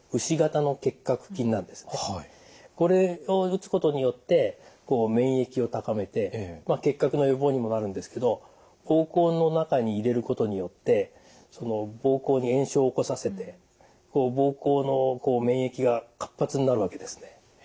これを打つことによって免疫を高めて結核の予防にもなるんですけど膀胱の中に入れることによって膀胱に炎症を起こさせて膀胱の免疫が活発になるわけですね。